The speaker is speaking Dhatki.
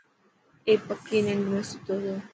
اي پڪي ننڊ ۾ ستو تو.